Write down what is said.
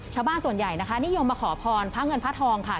ชาวบ้านส่วนใหญ่นะคะนิยมมาขอพรพระเงินพระทองค่ะ